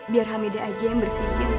biar hamedia aja yang bersihin